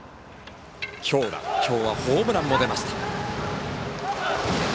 きょうはホームランも出ました。